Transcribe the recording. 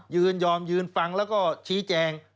ยืนยอมยืนฟังแล้วก็ชี้แจง